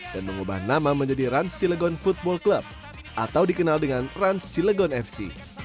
dan mengubah nama menjadi rans cilegon football club atau dikenal dengan rans cilegon fc